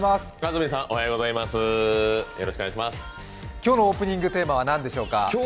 今日のオープニングテーマはなんでしょうか。